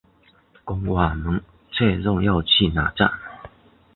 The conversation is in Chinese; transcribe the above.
跟我们确认要去那站